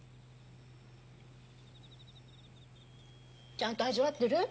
ちゃんと味わってる？